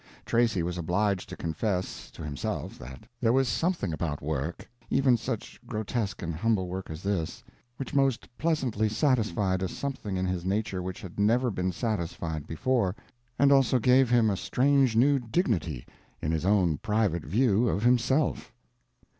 Tracy was obliged to confess to himself that there was something about work,—even such grotesque and humble work as this—which most pleasantly satisfied a something in his nature which had never been satisfied before, and also gave him a strange new dignity in his own private view of himself.